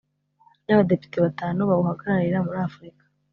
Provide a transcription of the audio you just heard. yAbadepite batanu bawuhagararira muri africa